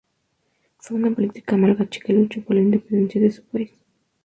Fue una política malgache que luchó por la independencia de su país.